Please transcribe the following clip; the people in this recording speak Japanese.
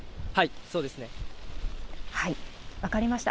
分かりました。